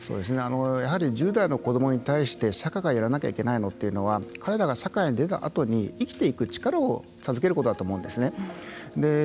やはり１０代の子どもに対して社会がやらなきゃいけないというのは彼らが社会に出たあとに生きていく力を授けることだと思うんですね。